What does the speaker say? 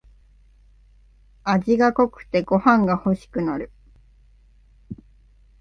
味が濃くてご飯がほしくなる